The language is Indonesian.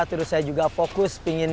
terus saya juga fokus